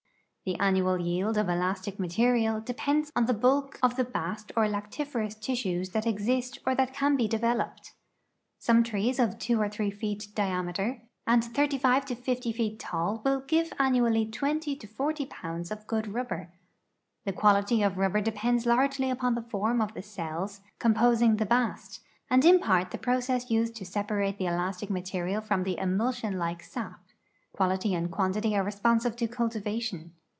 The annual yield of elastic material depends on the bulk of the bast or lactiferous tissues that exist or that can be developed. Some trees of 2 or 3 feet diameter and 35 to 50 feet tall Avill give annually 20 to 40 pounds of good rubber. The quality of rul) ber depends largely upon the form of the cells composing the bast, and in part in the process used to separate the elastic ma terial from the emulsion like sap. Quality and quantity are responsive to cultivation.